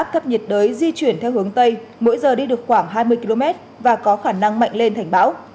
áp thấp nhiệt đới di chuyển theo hướng tây mỗi giờ đi được khoảng hai mươi km và có khả năng mạnh lên thành bão